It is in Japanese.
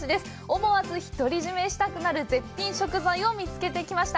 思わず、ひとりじめしたくなる絶品食材を見つけてきました。